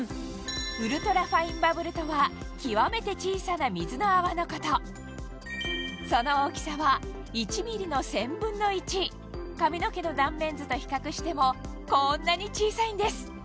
ウルトラファインバブルとは極めて小さな水の泡のことその大きさは髪の毛の断面図と比較してもこんなに小さいんです